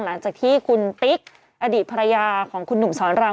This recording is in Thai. หลังจากที่คุณติ๊กอดีตภรรยาของคุณหนุ่มสอนราม